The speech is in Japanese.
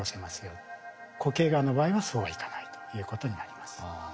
固形がんの場合はそうはいかないということになります。